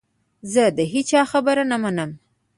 زه د هیچا خبره نه منم .